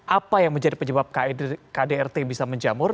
apa yang menjadi penyebab kdrt bisa menjamur